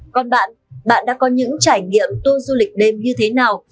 còn bạn bạn đã có những trải nghiệm tour du lịch đêm như thế nào